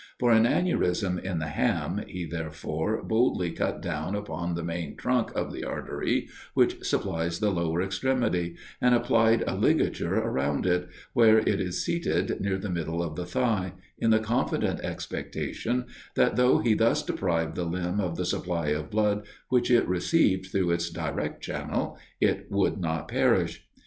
For an aneurism in the ham, he, therefore, boldly cut down upon the main trunk of the artery which supplies the lower extremity; and applied a ligature around it, where it is seated near the middle of the thigh, in the confident expectation that, though he thus deprived the limb of the supply of blood which it received through its direct channel, it would not perish.